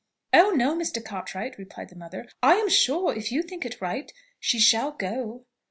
"Oh no, Mr. Cartwright," replied the mother; "I am sure, if you think it right, she shall go."